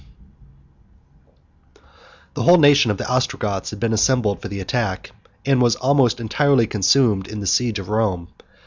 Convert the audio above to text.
] The whole nation of the Ostrogoths had been assembled for the attack, and was almost entirely consumed in the siege of Rome.